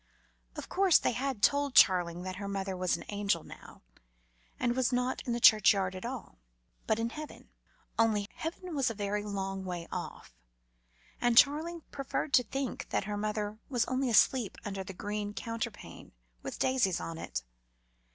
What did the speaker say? Of course, they had told Charling that her mother was an angel now and was not in the churchyard at all, but in heaven; only heaven was a very long way off, and Charling preferred to think that mother was only asleep under the green counterpane with the daisies on it.